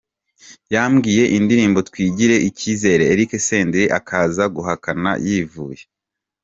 yamwibye indirimbo Twigirie icyizere Eric Senderi akaza guhakana yivuye.